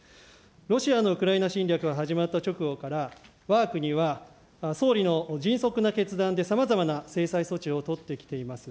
ロシアのウクライナ侵略が始まった直後から、わが国は総理の迅速な決断でさまざまな制裁措置を取ってきています。